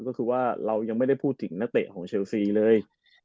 ก็คือว่าเรายังไม่ได้พูดถึงนักเตะของเชลซีเลย